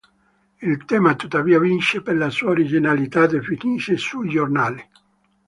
Il tema tuttavia vince per la sua originalità e finisce sui giornali.